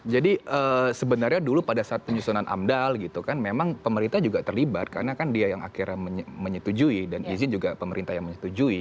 jadi sebenarnya dulu pada saat penyusunan amdal gitu kan memang pemerintah juga terlibat karena kan dia yang akhirnya menyetujui dan izin juga pemerintah yang menyetujui